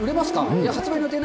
いや、発売予定